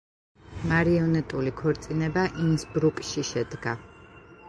მარიონეტული ქორწინება ინსბრუკში შედგა.